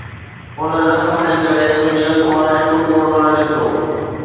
ان زخم جي ڪري تنهنجي اک مان هڪ به ڳوڙهو نه نڪتو